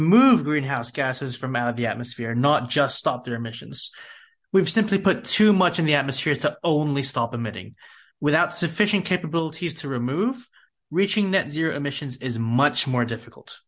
menghilangkan emisi gas rumah kaca dari atmosfer